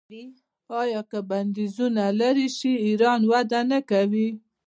آیا که بندیزونه لرې شي ایران وده نه کوي؟